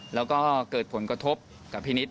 แล้วก็เกิดผลก็ทบกับพี่นิจ